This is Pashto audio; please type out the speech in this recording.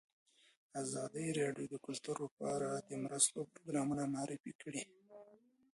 ازادي راډیو د کلتور لپاره د مرستو پروګرامونه معرفي کړي.